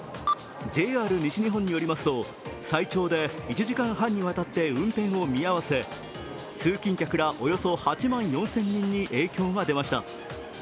ＪＲ西日本によりますと最長で１時間半にわたって運転を見合わせ通勤客らおよそ８万４０００人に影響が出ました。